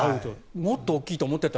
もっと大きいと思っていた。